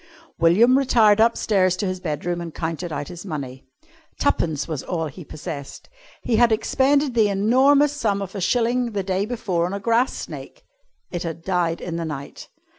William retired upstairs to his bedroom and counted out his money twopence was all he possessed. He had expended the enormous sum of a shilling the day before on a grass snake. It had died in the night.